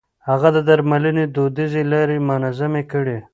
هغه د درملنې دوديزې لارې منظمې کړې.